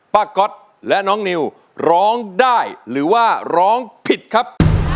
ก๊อตและน้องนิวร้องได้หรือว่าร้องผิดครับ